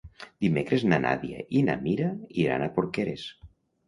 Dimecres na Nàdia i na Mira aniran a Porqueres.